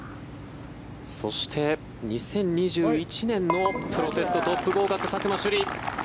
そして、２０２１年のプロテストトップ合格佐久間朱莉